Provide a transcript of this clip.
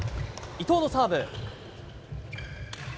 伊藤のサーブ。